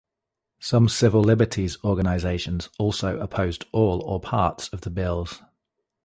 Some civil liberties organisations also opposed all or parts of the bills.